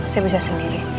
saya bisa sendiri